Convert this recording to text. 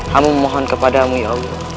hamu mohon kepadamu ya allah